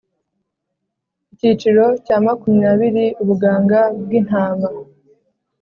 Icyiciro cya makumyabiri Ubuganga bw intama